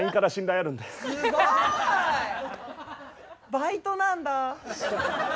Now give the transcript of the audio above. バイトなんだ。